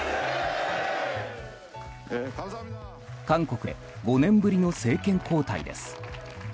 韓国で５年ぶりの政権交代です。